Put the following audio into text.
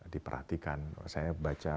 diperhatikan saya baca